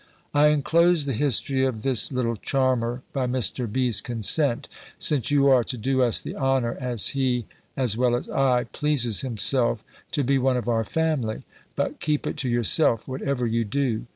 I enclose the history of this little charmer, by Mr. B.'s consent, since you are to do us the honour, as he (as well as I) pleases himself, to be one of our family but keep it to yourself, whatever you do.